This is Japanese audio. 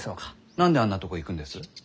何であんなとこ行くんです？